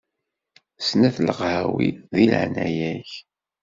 Snat n leqhawi di leɛnaya-k.